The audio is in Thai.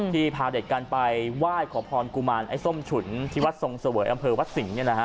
ที่พาเด็กกันไปไหว้ขอพรกุมารไอ้ส้มฉุนที่วัดทรงเสเวอร์อำเภอวัดสิงห์เนี่ยนะฮะ